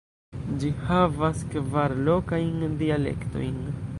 Ĝi havas kvar lokajn dialektojn.